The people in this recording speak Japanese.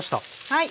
はい。